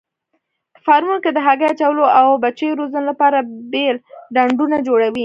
په فارمونو کې د هګۍ اچولو او بچیو روزنې لپاره بېل ډنډونه جوړوي.